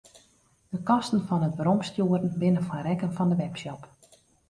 De kosten fan it weromstjoeren binne foar rekken fan de webshop.